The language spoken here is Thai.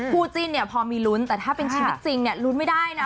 พูดจริงพอมีลุ้นแต่ถ้าเป็นชีวิตจริงลุ้นไม่ได้นะ